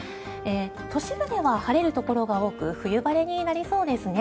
都市部では晴れるところが多く冬晴れになりそうですね。